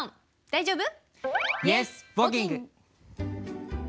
大丈夫？